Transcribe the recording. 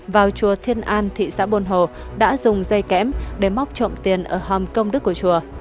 vào chùa thiên an thị xã buôn hồ đã dùng dây kẽm để móc trộm tiền ở hòm công đức của chùa